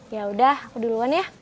ya udah aku duluan ya